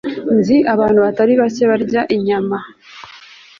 Nzi abantu batari bake batarya inyama